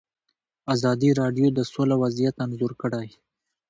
ازادي راډیو د سوله وضعیت انځور کړی.